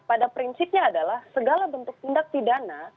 pada prinsipnya adalah segala bentuk tindak pidana